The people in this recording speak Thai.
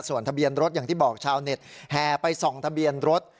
ส่วนทะเบียนรถอย่างที่บอกชาวเน็ตแห่ไปส่องทะเบียนรถ